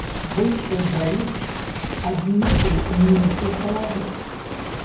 Выйшаў да іх аднекуль нейкі чалавек.